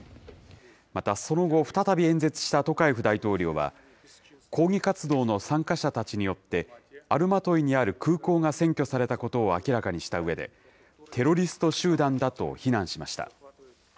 またその後、再び演説したトカエフ大統領は、抗議活動の参加者たちによって、アルマトイにある空港が占拠されたことを明らかにしたうえで、テロリスト集団だと非難しました。